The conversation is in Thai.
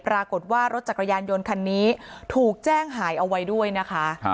ปรากฏว่ารถจักรยานยนต์คันนี้ถูกแจ้งหายเอาไว้ด้วยนะคะ